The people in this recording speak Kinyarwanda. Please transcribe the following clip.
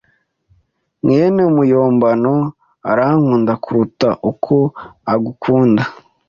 mwene muyombano arankunda kuruta uko agukunda.